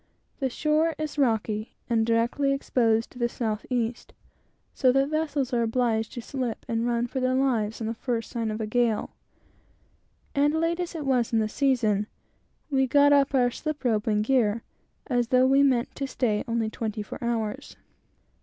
The shore is rocky, and directly exposed to the south east, so that vessels are obliged to slip and run for their lives on the first sign of a gale; and late as it was in the season, we got up our slip rope and gear, though we meant to stay only twenty four hours.